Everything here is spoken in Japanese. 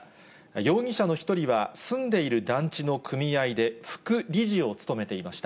容疑者の１人は、住んでいる団地の組合で副理事を務めていました。